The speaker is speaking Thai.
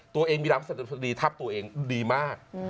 ตัวเองมีรามสัตดีทับตัวเองดีมาก